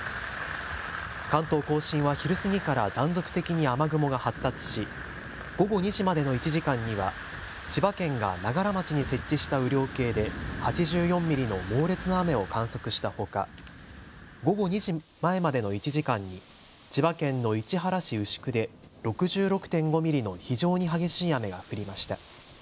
関東甲信は昼過ぎから断続的に雨雲が発達し午後２時までの１時間には千葉県が長柄町に設置した雨量計で８４ミリの猛烈な雨を観測したほか、午後２時前までの１時間に千葉県の市原市牛久で６６．５ミリの非常に激しい雨が降りました。